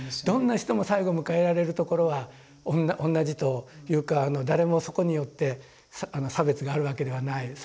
どんな人も最後迎えられるところは同じというか誰もそこによって差別があるわけではない。